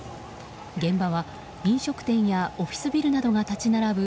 現場は、飲食店やオフィスビルなどが立ち並ぶ